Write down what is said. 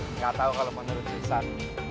enggak tahu kalau menurut si san